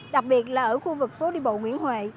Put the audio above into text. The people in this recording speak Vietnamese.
đặc biệt là ở khu vực phố đi bộ nguyễn huệ